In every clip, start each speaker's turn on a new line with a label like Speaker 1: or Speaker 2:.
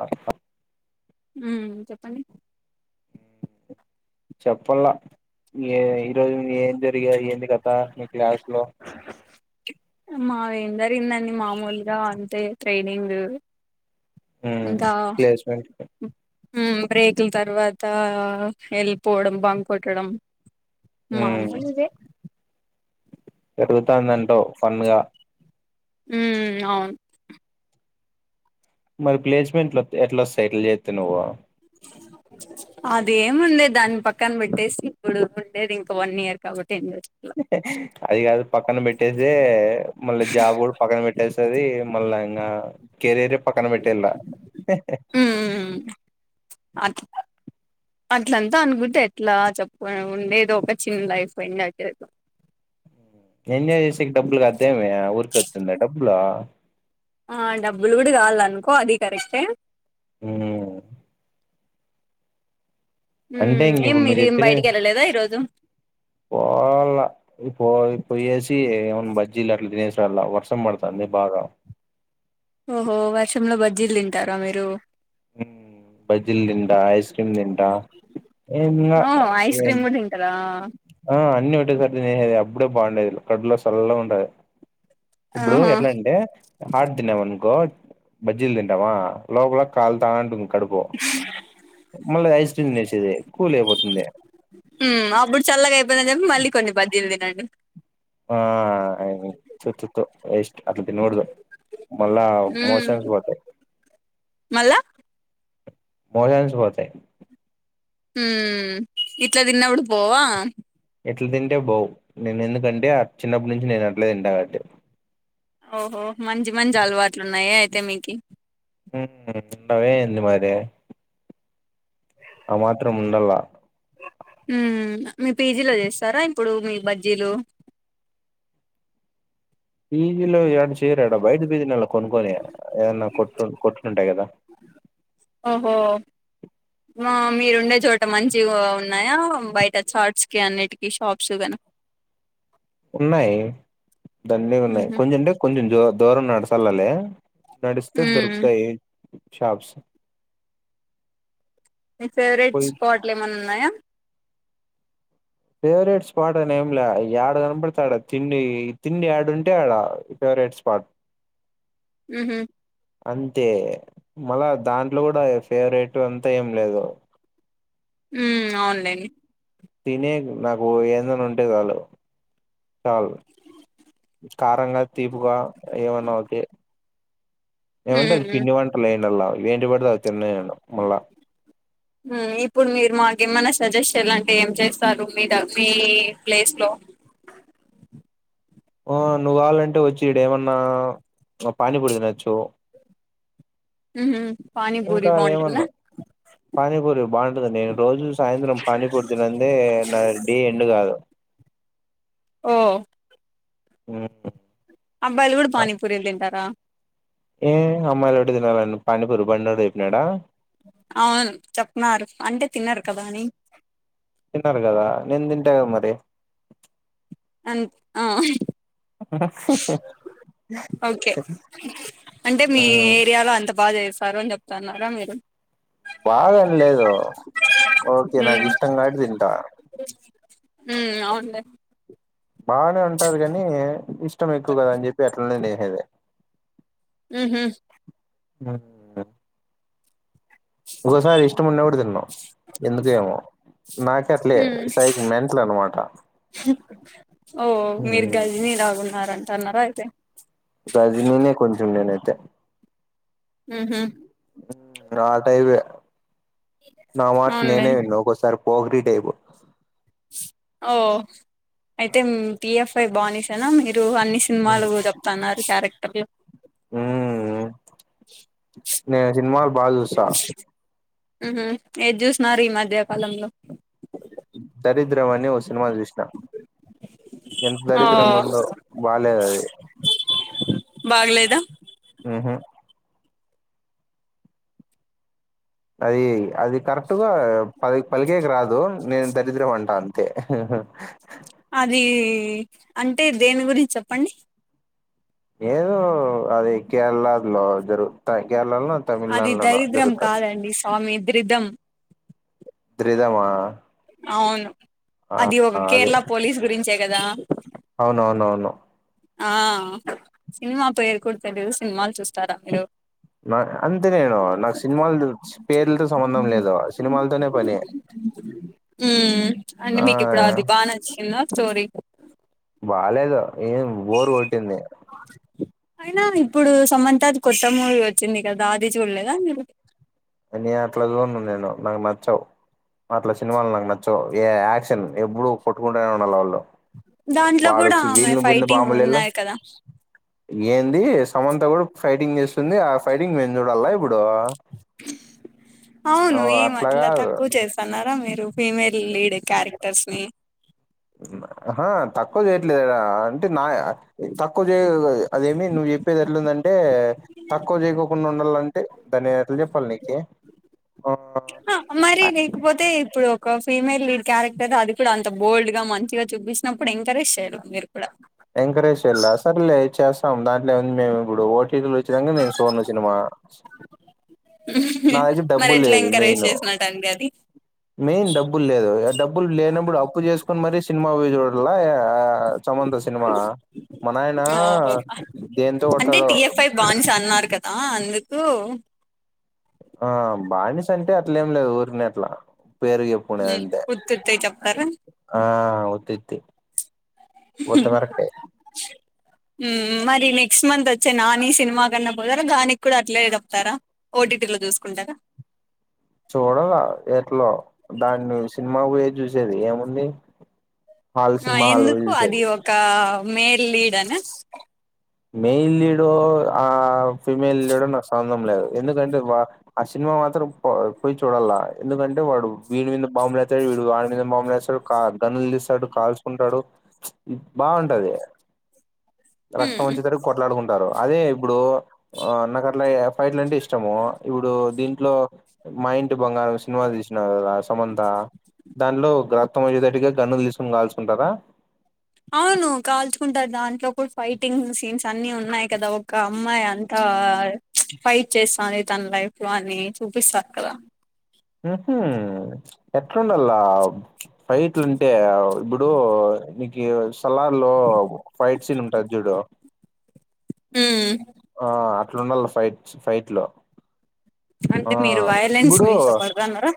Speaker 1: ఆ అ
Speaker 2: ఊహు చెప్పండి?
Speaker 1: చెప్పల్లా ఎ ఈరోజు ఏం జరిగాయి ఏంది కథ మీ క్లాసులో?
Speaker 2: మావేంజరిగిందండి మామూలుగా అంతే ట్రైనింగ్ ఇంకా
Speaker 1: ప్లేస్మెంట్
Speaker 2: ఉమ్ బ్రేకుల్తర్వాత హెళ్పోవడం బంక్ కొట్టడం
Speaker 1: ఉమ్!
Speaker 2: మామూలుదే
Speaker 1: జరుగుతాందంటవ్ ఫన్ గా
Speaker 2: ఉమ్ అవున్
Speaker 1: మరి ప్లేస్మెంట్లొత్ ఎట్లొస్తయి ఇట్ల జేత్తె నువ్వు?
Speaker 2: అదేముంద్లే దాన్పక్కన పెట్టేసి ఇప్పుడు ఉండేది ఇంక వన్ ఇయర్ కాబట్టి ఎంజాయ్ చె
Speaker 1: [unintelligible] అది గాదు పక్కన పెట్టేసీ మళ్ళ జాబ్ కూడా పక్కన పెట్టేస్తది మళ్ళా ఇంగా కెరీరే పక్కన పెట్టేల్లా. హె హెహ్
Speaker 2: అట్ల అట్లంతా అనుకుంటే ఎట్లా చెప్పు ఉండేది ఒక చిన్న లైఫ్ ఎంజాయ్ చేద్దాం.
Speaker 1: ఎంజాయ్ చేసేకి డబ్బులు కాద్దేమి ఆ ఊరికే ఒత్తుందా డబ్బులు?
Speaker 2: ఆ డబ్బులు గూడ గావాలన్కో అది కరెక్టే.
Speaker 1: ఊఉ
Speaker 2: ఉమ్
Speaker 1: అంటే ఇంగ
Speaker 2: ఏం
Speaker 1: ఇప్పుడు
Speaker 2: మీరు
Speaker 1: నువ్వు
Speaker 2: ఏం
Speaker 1: చెప్పినై
Speaker 2: బయటికి వెళ్ళలేదా ఈరోజు
Speaker 1: పోవల ఇప్పోయ్ పోయేసి ఏవన్ బజ్జీలట్ల తినేసి రాల్లా వర్షం పడుతాంది బాగా.
Speaker 2: ఓహో వర్షంలో బజ్జీల్దింటారా మీరు?
Speaker 1: ఉమ్ బజ్జీల్దింటా ఐస్ క్రీమ్ దింటా ఎం ఇంగ ఏందో
Speaker 2: కరా!
Speaker 1: ఆ అన్ని ఒటేసారి తినేసేదే అప్పుడే బాగుండేది కడుపులో సల్లగుంటది. ఇప్పుడు
Speaker 2: ఆహా
Speaker 1: ఎట్లంటే! హాట్ తిన్నవనుకో బజ్జీల్దితింటామా లోపల కాల్తాంటుంది. కడుపు. మళ్ళీ ఐస్ క్రీమ్ నేసేది కూలైయిపోతుంది.
Speaker 2: ఉమ్ అప్పుడు చల్లగైయిపోయిందని చెప్పి మళ్ళీ కొన్ని బజ్జీల్దినండి.
Speaker 1: ఆ ఐది తు తు తు వేస్ట్ అట్ల తినగూడదు. మళ్ళా
Speaker 2: ఉమ్
Speaker 1: మోషన్స్ పోతయ్.
Speaker 2: మళ్ళా
Speaker 1: మోషన్స్ వోతయ్.
Speaker 2: ఉమ్ ఇట్లదిన్నా గూడ బోవన్
Speaker 1: ఇట్ల తింటే బావు నేను ఎందుకంటే ఆ చిన్నప్పటి నుంచి నేను అట్లే తింటా కాబట్టి
Speaker 2: ఓహో మంచి మంచి అలవాట్లు ఉన్నాయే అయితే మీకి
Speaker 1: ఊమ్ ఉండద ఏంది మరి ఆ మాత్రం ఉండాల్ల
Speaker 2: ఊమ్ మీ పీ జీలో చేస్తారా ఇప్పుడు మీ బజ్జీలు
Speaker 1: పీ జీ లో ఏడ చేయర్ ఈడ బయట్ కి పొయ్ థీనలా కొనుక్కొని ఏదన కొట్టున్ కొట్లున్టాయ్ గదా
Speaker 2: ఓహో ఆ మీరుండే చోట మంచిగా ఉన్నాయా బయట చార్ట్స్ కి అన్నిటికీ షాప్స్ గని
Speaker 1: ఉన్నాయి దండిగున్నాయి
Speaker 2: ఉహు
Speaker 1: కొంచెం అంటే కొంచెం జో దూరం నడ్సెల్లాలి నడుస్తే
Speaker 2: ఉమ్
Speaker 1: దొరుకుతాయి షాప్స్
Speaker 2: మీ ఫేవరెట్
Speaker 1: పోయి
Speaker 2: స్పాట్లు ఏమైన్నున్నాయా
Speaker 1: ఫేవరెట్ స్పాట్ అని ఏం లే యాడ కనపడతా డా తిండి తిండి ఏడు ఉంటే ఆడ ఫేవరెట్ స్పాట్
Speaker 2: ఉమ్ హ్
Speaker 1: అంతే మల్ళ దాంట్లో గూడ ఎ ఫేవరేట్ అంతా ఏం లేదు
Speaker 2: ఉమ్ అవునులేండి
Speaker 1: తినేకి నాకు ఎందన్న ఉంటే చాలు చాలు కారంగ తీపుగా ఏమన్న ఒకె ఏమంటే
Speaker 2: ఉమ్
Speaker 1: అది
Speaker 2: ఉమ్
Speaker 1: పిండి వంటలు ఏందల్లా ఏంటికి పడితె అది తిన్నె తినను మళ్ళా
Speaker 2: ఉమ్ ఇప్పుడు మీరు మాకు ఏమన్నా సజెస్ట్ చెయాలంటే ఏం చేస్తారు మీ ద మీ ప్లేస్ లో
Speaker 1: ఆ నువ్వు గావాలంటే వచ్చి ఇడేమన్నా పానీ పురీ తినచ్చు
Speaker 2: ఉహు
Speaker 1: ఇంక
Speaker 2: పానీపూరి బాగుంటుందా
Speaker 1: ఏమన్నా పానీపూరి బావుంటుంది నేను రోజు సాయంత్రం పానీపూర్ తినన్దే నా డే ఎండ్ కాదు
Speaker 2: ఓ
Speaker 1: ఉమ్
Speaker 2: అబ్బాయిలు గూడ పానీపూరిలు తింటారా
Speaker 1: ఏ అమ్మాయిలు ఒకటె తినాలని పానీపూరి బండోడు చెప్పినాడా
Speaker 2: అవును చెప్నారు అంటే తినరు కదా అని
Speaker 1: తింటాను గదా నేందింటగ మరి
Speaker 2: అంత్ ఆ ఓకే అంటే మీ ఏరియాలో అంత బాగ చేస్తారు అని చెప్తన్నారా మీరు
Speaker 1: బాగనిలేదు ఓకే నాకు ఇష్టం కాబట్టి తింటా
Speaker 2: ఉమ్ అవున్లే
Speaker 1: బాగనే ఉంటారు గని ఇష్టం ఎక్కువ కదాని చెప్పి అట్లనే నేసేది
Speaker 2: ఉ హ్మ్
Speaker 1: ఉమ్ ఒకసారి ఇష్టం ఉన్న కూడ తిన్ను ఎందుకు ఏమో నాకి అట్లే
Speaker 2: హ్మ్
Speaker 1: సైక్ మెంట్లనమాట
Speaker 2: ఓ మీరు గజని లాగున్నారంటన్నారా అయిత్
Speaker 1: గజినినే కొంచెం నేనైతే
Speaker 2: ఉమ్ హ్
Speaker 1: ఉమ్ ఆ టైపే నా మాట
Speaker 2: అవునులే
Speaker 1: నేనే విన్ను ఒక్కోసారి పోకిరీ టైపు
Speaker 2: ఓ అయితే మ్ టీ ఎఫ్ ఐ బానీసనా మీరు అన్ని సినిమాలు తప్ తన్నారు క్యారెక్టర్లు
Speaker 1: మ్ నేన్ సినిమాలు బాగా చూస్తా.
Speaker 2: మ్ హ్ ఏద్ చూస్న్నార్ ఈ మధ్యకాలంలో
Speaker 1: దరిద్రం అని ఓ సినిమా చూసిన. ఎంత
Speaker 2: ఆ
Speaker 1: దరిద్రంగుందో బాలేదది.
Speaker 2: బాగలేదా?
Speaker 1: మ్ హ్ అదీ అది కరెక్ట్గా పల్ పలికేకి రాదు నేన్ దరిద్రం అంటా అంతే
Speaker 2: అదీ అంటే దేని గురించి చెప్పండి?
Speaker 1: ఏదో అది కేరళర్లో జరుగుతయి కేరళలో
Speaker 2: అది
Speaker 1: తమిళనాడులోనో
Speaker 2: దరిద్రం
Speaker 1: జరుగుతాయి
Speaker 2: కాదండి స్వామి ద్రిధం.
Speaker 1: ద్రిదమా?
Speaker 2: అవును అది ఒక
Speaker 1: అదే
Speaker 2: కేరళ పోలీస్ గురించే కదా
Speaker 1: అవునవునవును.
Speaker 2: ఆ సినిమా పేర్ కుడ తెలీదు సినిమాల్ చూస్తారా మీరు
Speaker 1: నా అంతే నేను నాక్ సినిమాల్ పేర్లతో సంబంధం లేదు సినిమాల్తోనే పని
Speaker 2: మ్ అంటే
Speaker 1: ఆ
Speaker 2: మీకిప్పుడు అది బ బా నచ్చిందా స్టోరి
Speaker 1: బాలేేదు ఏం బోర్ కొట్టింది.
Speaker 2: అయినా ఇప్పుడు సమంతాది కొత్త మూవీ వచ్చింది గదా అది చూడ్లేదా మీరు
Speaker 1: కనీ అట్లా చూడను నేను నాక్ నచ్చవ్ అట్ల సినిమాల్ నాక్ నచ్చవు ఏ యాక్షన్ ఎప్పుడూ కొట్టుకుంటనే ఉండాల్ వాళ్ళు
Speaker 2: దాంట్లో గుడా
Speaker 1: వాడొచ్చి
Speaker 2: ఆమె
Speaker 1: వీళ్ళని బింద
Speaker 2: ఫైటింగ్
Speaker 1: బాంబులేలా
Speaker 2: ఉన్నాయి కదా
Speaker 1: ఏంది సమంత గుడ ఫైటింగ్ చేస్తుంది ఆ ఫైటింగ్ నేన్ చూడాల్న ఇప్పుడూ
Speaker 2: అవును ఏం
Speaker 1: అట్లా
Speaker 2: అట్ల
Speaker 1: కాదు
Speaker 2: తక్కు చేస్తన్నారా మీరు ఫీమేల్ లీడ్ క్యారెక్టర్స్ని
Speaker 1: అహ తక్కు చేయట్లేదు ఆ అంటే నా తక్కువ చేయ అదేమి నువ్వు చెప్పేద్ ఎట్లుందంటే తక్కువ చేకోకుండా ఉండాలం టే దాన్నీ ఎట్ల చెప్పాల్ నీకీ
Speaker 2: పోతే ఇప్పుడు ఒక ఫీమెల్ లీడ్ క్యారెక్టర్ అది కూడా అంత బోల్డ్గ మంచిగ చూపిచినప్పుడు ఎంకరేజ్ చేయాల మీరు కూడ
Speaker 1: ఎంకరేజ్ చెయ్యలా సర్లే చేస్తాం దాంట్లో ఏముంది మేం ఇప్పుడు ఓటీగు ఖచ్చితంగా నేను సూడను సినిమా నా దగ్గర్
Speaker 2: మరి
Speaker 1: డబ్బుల్
Speaker 2: ఎట్లా
Speaker 1: లేదు
Speaker 2: ఎంకరేజ్
Speaker 1: మెయిను
Speaker 2: చేసినట్టండి అది
Speaker 1: మెయిన్ డబ్బుల్ లేదు ఏ డబ్బుల్ లేనప్పుడు అప్పు చేస్ కొన్ మరీ సినిమా జూడలా ఏ సమంత సి సినిమా మా నాయనా దేంతో కొడ్తాడో
Speaker 2: బానిస అన్నారు కదా అందుకూ
Speaker 1: ఆ బానిసంటే అట్లేం లేదు ఊర్కనే అట్ల పేర్ జెప్
Speaker 2: మ్ ఉత్తుత్తయి చెప్తారా?
Speaker 1: ఆ ఉతిత్తి ఉత్త వరకే
Speaker 2: మ్ మరి నెక్స్ట్ మంత్ వచ్చే నాని సినిమా కన్నా పోతారా దానిక్ కుడ అట్లే చెప్తారా? ఓటీటీలో చూస్కుంటారా
Speaker 1: చూడాల ఎట్లో దాన్ని సినిమా పోయే చూసేది ఏముంది. హాల్ సినిమాలు ఆళ్ళు పోయి చూసేది.
Speaker 2: క్క మేల్లీడన
Speaker 1: మెయిల్ లీడో, ఆ ఫీమేల్ లీడో నాక్సంబంధం లేదు ఎందుకంటే వా. ఆ సిన్మా మాత్రం పో పోయ్ చూడల్ల ఎందుకంటే వాడు వీనిమీన్ద బాంబులేచ్చడు, వీడు అని మీదెం బాంబులేస్తాడు. కా గన్నుల్తీస్తాడు కాల్చుకుంటాడు ప్చ్ బావుంటది త్తం
Speaker 2: హ్మ్
Speaker 1: వచ్చేటట్క్ కొట్లాడుకుంటారు, అదే ఇబ్బుడు ఆ నకట్ల ఏ ఫైట్లంటే ఇష్టము ఇపుడు. దీంట్లో మా ఇంటి బంగారం సినిమాల్ తీస్నారు కదా సమంత దాన్లో [unintelligible] క్తం అయ్యేతట్టుగ గన్నుల్ తీస్కోని గాల్చు కుంటారా
Speaker 2: అవును కాల్చుకుంటార్, దాంట్లో కుడ్ ఫైటింగ్ సీన్స్ అన్ని ఉన్నాయి కదా ఒక్క అమ్మాయి అంతా. ప్చ్ ఫైట్ చేస్తాన్ది తన్లైఫ్ లో అని చూపిస్తారు కదా
Speaker 1: ఉ హు ఎట్లుండల్లా ఫైట్టున్టే ఇబ్బుడు నీక్యూ త్తలార్లో ఫైట్ సీన్ ఉంటద్ జుడు.
Speaker 2: హ్మ్
Speaker 1: ఆ అట్లున్డాల ఫైట్స్ ఫైట్ల్లు
Speaker 2: అంటే మీరు
Speaker 1: ఇప్పుడు
Speaker 2: వైలెన్స్నీ ఇష్టపడతన్నారా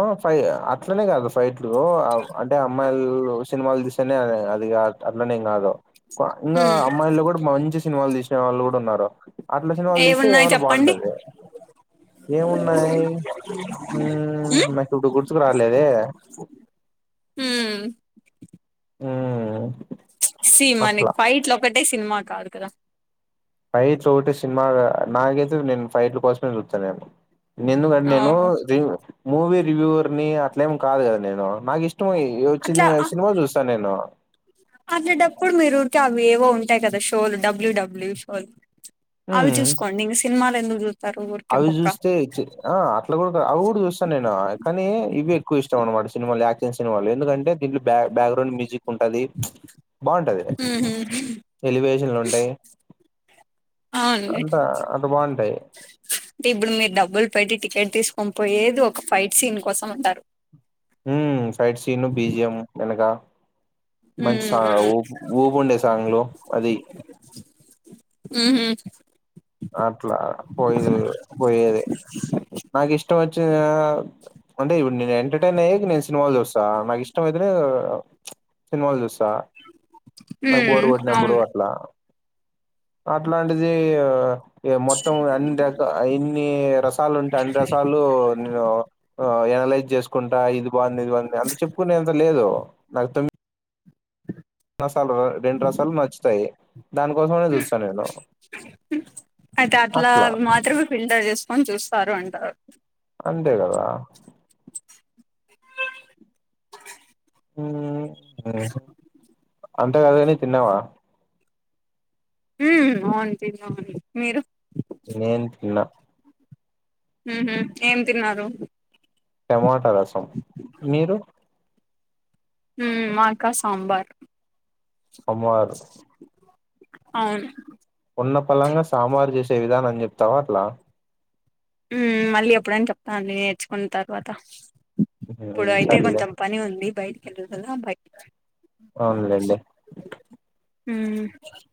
Speaker 1: ఆ ఫై అట్లనే కాదు ఫైట్లు ఆవ్, అంటే అమ్మాయిల్ను సిన్మాల్ తీస్. [unintelligible] అది కాద్ అట్లాన్నేం కాదు కో ఇంగా
Speaker 2: హ్మ్
Speaker 1: అమ్మాయిల్లో కూడా మంచి సిన్మాల్ తీస్న్న వాళ్ళు కూడున్నారు అట్లా సిన్మాల్ తీస్తే
Speaker 2: ఏమున్నాయి
Speaker 1: ఏమన్నా
Speaker 2: చెప్పండి
Speaker 1: బావున్టది ఏమున్నాయ్ మ్
Speaker 2: హ్మ్
Speaker 1: నాకు నా ఇప్పుడు గుర్తుకు రాలేదే?
Speaker 2: హు మ్
Speaker 1: ఉమ్
Speaker 2: సి మనకి ఫైట్లోక్కటే సినిమా కాదు కదా
Speaker 1: ఫైట్లో టే సిన్మా గా నాకైతే నేన్ ఫైట్లో కోస్మే జూచ్చ నేను నేమ్దుకంటే నేను
Speaker 2: ఓహో
Speaker 1: [unintelligible] మూవీ రివ్యూవర్ ని అట్లేమ్ కాదు కదా! నేను నాకిష్టం ఏ యోచ్చిందిగ సినిమా జుస్తాన్ నేను.
Speaker 2: అట్లాన్ప్పుడు మీరు ఉర్కె అవి ఏవో ఉంటాయి కదా షోలు డబ్ల్యూ. డబ్ల్యూ షోలు. అవి
Speaker 1: మ్మ్
Speaker 2: చూస్కోండిన్గ సిన్మాలెందుకు జు
Speaker 1: అవి జూస్తే చ్ ఆ అట్లా కూడక అవుగుడా చూస్తాన్, నేను కానీ ఇవే ఎక్కువ ఇష్టం అనమాట సినిమాలే యాక్షన్ సినిమాలు ఎందుకంటే? దీంట్లో బ్యా బ్యాక్గ్రౌండ్ మీజిక్ ఉంటది ప్చ్ బాగుంటది
Speaker 2: ఉహు.
Speaker 1: ఎలివేషన్లున్టాయి అంత అంత బావున్టాయి.
Speaker 2: ఇబ్బుడు మీర్ డబ్బుల్ పెట్టి టికెట్ తీస్కొన్ పోయేదు ఒక ఫైట్ సీన్ కోసం అంటారు?
Speaker 1: మ్ ఫైట్ సీన్ల్లు బీజియం ఎనకా మంచి
Speaker 2: ఉమ్,
Speaker 1: సా ఊపు ఊపున్డే సాంగ్లు అది
Speaker 2: ఉహు
Speaker 1: అట్లా పో [unintelligible] పోయేదె నాకిష్టం వచ్చి. [unintelligible] అంటే ఇబుడు నేన్ ఎంటర్టైనైయ్కి మేం సిన్మాల్ చూస్స నాకిష్టమైతేనే. సిన్మాల్ జూస్స
Speaker 2: ఉమ్
Speaker 1: నాక్బోర్ కోట్టినప్పుడు
Speaker 2: అవును
Speaker 1: అట్లా. అట్లాంటిది ఇ [unintelligible] మొత్తం అన్డేక ఆయన్ని రసాలున్టె అన్రసా. లు నెను ఆ ఎనలైజ్ జెస్ కుంటా ఇది బాన్ది ఇది బన్ది అన్ చెప్కునేన్తా లేదు నాక్ తోమ్మి రసాల్ రెన్రసాల్ నచ్చుతయ్ దానికోసమైన జూస్స నేను.
Speaker 2: అయితే అట్లా మాత్రమే ఫిల్టర్ చేస్కొని చూస్తారు అంటా [unintelligible]
Speaker 1: అంతే కదా అంతేకాదుగని తిన్నావా
Speaker 2: ఉ అవును తిన్నాము మీరు
Speaker 1: నేన్ తిన్నా
Speaker 2: ఉహు ఏం తిన్నారు
Speaker 1: టమాటా రసం మీరు
Speaker 2: మ్ మాకా సాంబార్
Speaker 1: సాంబారు
Speaker 2: అవును
Speaker 1: ఉన్న పలంగా సాంబారు చేసే విధానం చెప్తావా అట్లా
Speaker 2: మ్ మళ్ళీ ఎప్పుడైన చెప్తాన్ లే నేర్చుకున్న తర్వాత ఇప్పుడు
Speaker 1: హ్మ్
Speaker 2: అయితే
Speaker 1: సర్లే
Speaker 2: కొంచెం పని ఉంది బయటకి వెళ్దం బైటికి
Speaker 1: అవునులేండి
Speaker 2: మ్